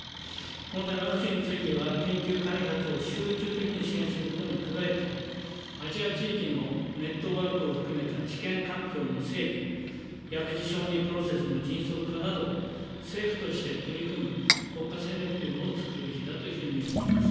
このためワクチンについては、研究開発を集中的に支援することに加えて、アジア地域のネットワークを含めた治験環境の整備、薬事承認プロセスの迅速化など、政府として取り組む国家戦略というのを作るべきだというふうに思います。